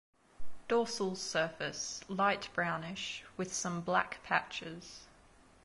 Dorsal surface light brownish with some black patches.